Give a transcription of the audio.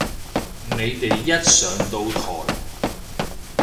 你哋一上到台